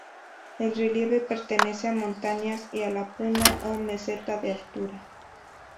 El relieve pertenece a montañas y a la puna o meseta de altura.